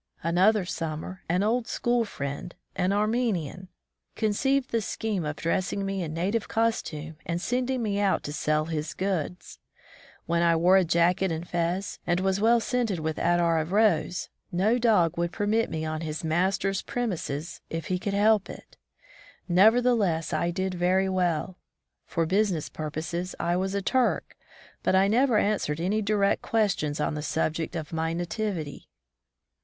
Another summer, an old school friend, an Armenian, con ceived the scheme of dressing me in native costume and sending me out to sell his goods. When I wore a jacket and fez, and was well scented with attar of rose, no dog would permit me on his master's premises if he could help it ; nevertheless I did very well. For business piuposes I was a Turk, but I never answered any direct questions on the subject of my nativity.